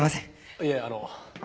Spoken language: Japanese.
いえあの。